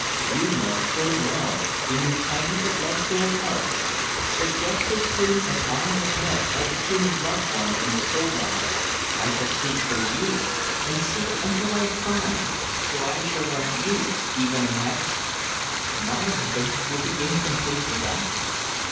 You know full well in your tiny, but love filled heart that just so soon as I have met all the human loved ones in the soul life, I shall seek for you, and seek until I find, for I shall want you even in heaven. My heaven will be incomplete without you.